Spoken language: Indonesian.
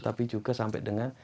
tapi juga sampai dengan